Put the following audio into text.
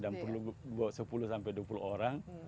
dan perlu sepuluh sampai dua puluh orang